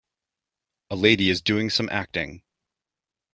A lady is doing some acting.